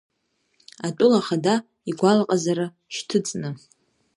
Атәыла ахада игәалаҟазара шьҭыҵны.